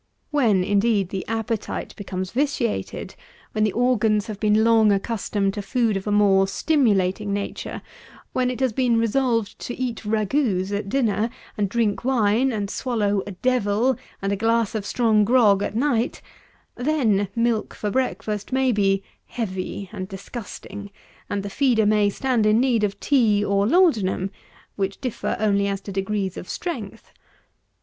When, indeed, the appetite becomes vitiated: when the organs have been long accustomed to food of a more stimulating nature; when it has been resolved to eat ragouts at dinner, and drink wine, and to swallow "a devil," and a glass of strong grog at night; then milk for breakfast may be "heavy" and disgusting, and the feeder may stand in need of tea or laudanum, which differ only as to degrees of strength.